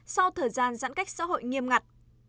sau thời gian giãn cách xã hội nghiêm ngặt